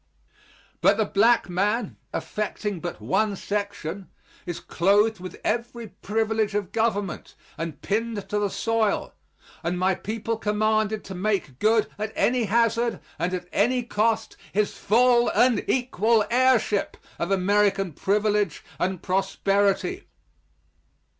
But the black man, affecting but one section, is clothed with every privilege of government and pinned to the soil, and my people commanded to make good at any hazard, and at any cost, his full and equal heirship of American privilege and prosperity.